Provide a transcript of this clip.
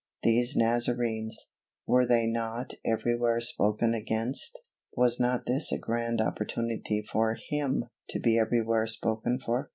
These Nazarenes, were they not everywhere spoken against? Was not this a grand opportunity for him to be everywhere spoken for?